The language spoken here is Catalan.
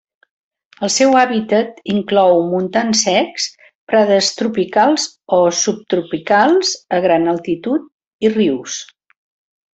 El seu hàbitat inclou montans secs, prades tropicals o subtropicals a gran altitud i rius.